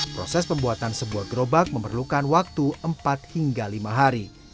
proses pembuatan sebuah gerobak memerlukan waktu empat hingga lima hari